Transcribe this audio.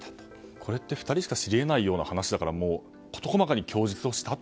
これって２人しか知り得ないようなことだから事細かに供述をしたと。